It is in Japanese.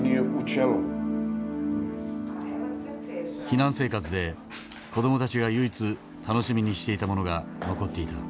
避難生活で子どもたちが唯一楽しみにしていたものが残っていた。